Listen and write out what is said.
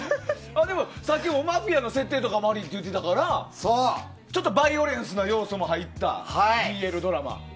さっき、マフィアの設定とかもあるって言ってたからバイオレンスの要素も入ったＢＬドラマ。